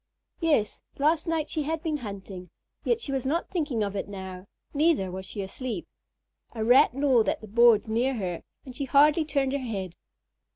Yes, last night she had been hunting, yet she was not thinking of it now. Neither was she asleep. A Rat gnawed at the boards near her, and she hardly turned her head.